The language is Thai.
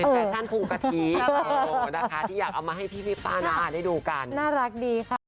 เป็นแฟชั่นภูมิกะทิโอ้นะคะที่อยากเอามาให้พี่พี่ปานาได้ดูกันน่ารักดีค่ะ